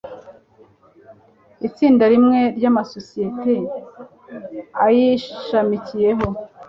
itsinda rimwe ry amasosiyete ayishamikiyeho